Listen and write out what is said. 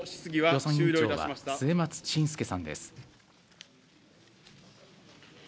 予算委員長は末松信介さんです。